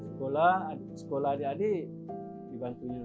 sekolah sekolah adik adik dibantunya